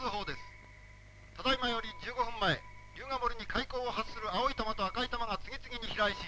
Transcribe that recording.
ただいまより１５分前竜ヶ森に怪光を発する青い玉と赤い玉が次々に飛来し。